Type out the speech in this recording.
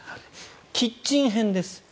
キッチン編です。